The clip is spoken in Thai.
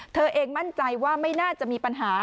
เธอเองมั่นใจว่าไม่น่าจะมีปัญหา